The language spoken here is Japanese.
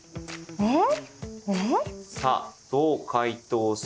えっ！